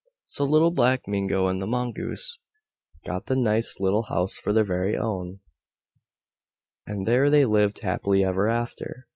So Little Black Mingo and the Mongoose got the nice little house for their very own, and there they lived happy ever after.